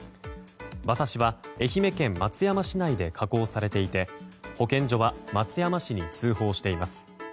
馬刺しは愛媛県松山市内で加工されていて保健所は松山市に通報しています。